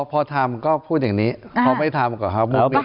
พอทำก็พูดอย่างนี้พอไม่ทำก็หาว่าความมิอิต